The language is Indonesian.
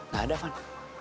gak ada van